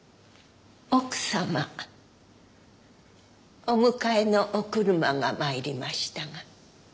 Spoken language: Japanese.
奥様お迎えのお車が参りましたが。